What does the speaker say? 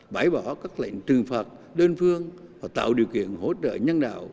bãi bỏ các lệnh trừng phạt đơn phương và tạo điều kiện hỗ trợ nhân đạo